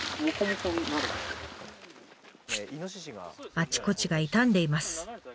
あちこちが傷んでいます。